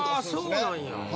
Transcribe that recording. あそうなんや。